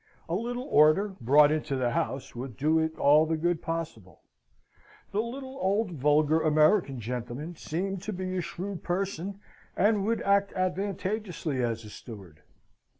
A little order brought into the house would do it all the good possible. The little old vulgar American gentleman seemed to be a shrewd person, and would act advantageously as a steward.